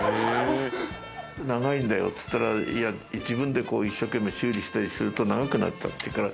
長いんだよって言ったらいや自分で一生懸命修理したりすると長くなったっていうから。